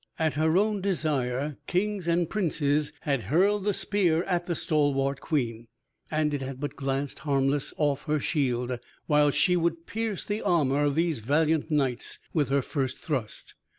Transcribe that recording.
At her own desire kings and princes had hurled the spear at the stalwart Queen, and it had but glanced harmless off her shield, while she would pierce the armor of these valiant knights with her first thrust.